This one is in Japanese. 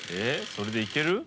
それでいける？